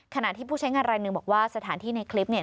ขณะที่ผู้ใช้งานรายหนึ่งบอกว่าสถานที่ในคลิปเนี่ย